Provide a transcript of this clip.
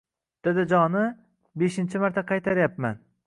Dadajoni, beshinchi marta qaytaryapman.